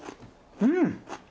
うん！